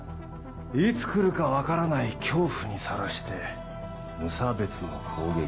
いつ来るか分からない恐怖にさらして無差別の攻撃。